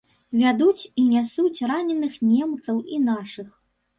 Вядуць і нясуць раненых немцаў і нашых.